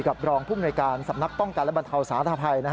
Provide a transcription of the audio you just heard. กับรองผู้มนวยการสำนักป้องกันและบรรเทาสาธารณภัย